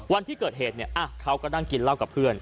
วันที่เกิดเหตุเนี่ยอ่ะเขาก็นั่งกินเล่ากับเพื่อน